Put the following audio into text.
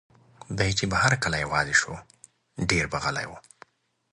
دی چې به هر کله یوازې شو، ډېر به غلی و.